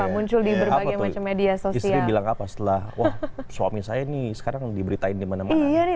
muncul di berbagai macam media sosial bilang apa setelah suami saya nih sekarang diberitain dimana mana